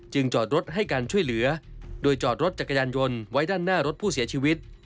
จอดรถให้การช่วยเหลือโดยจอดรถจักรยานยนต์ไว้ด้านหน้ารถผู้เสียชีวิต